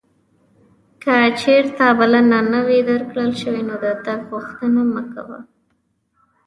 که چیرته بلنه نه وې درکړل شوې نو د تګ غوښتنه مه کوه.